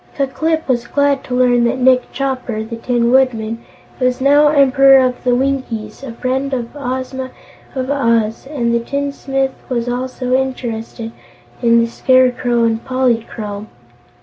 Ku Klip was glad to learn that Nick Chopper, the Tin Woodman, was now Emperor of the Winkies and a friend of Ozma of Oz, and the tinsmith was also interested in the Scarecrow and Polychrome.